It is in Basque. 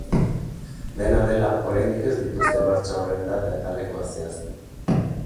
Dena dela, oraindik ez dituzte martxa horren data eta lekua zehaztu.